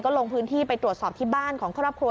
ลงพื้นที่ไปตรวจสอบที่บ้านของครอบครัว